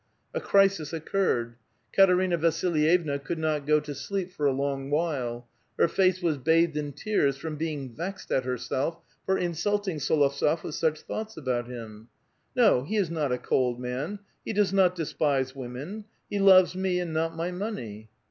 A crisis occurred. Katerina Vasilvevna could not go to sleep for a long while ; her face was bathed in tears from being vexed at herself for insulting S61ovt8of with such thoughts about him. '^No, he is not a cold man; he does not despise women ; he loves me and not my money."